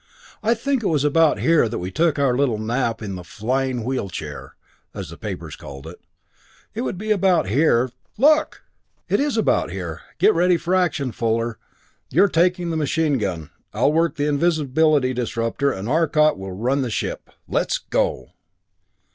"I think it was about here that we took our little nap in the 'Flying Wheel chair', as the papers called it. It would be about here th LOOK! It is about here! Get ready for action, Fuller. You're taking the machine gun, I'll work the invisibility disrupter, and Arcot will run the ship. Let's go!"